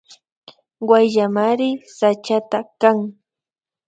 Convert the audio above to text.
Wayllamari sachaka kan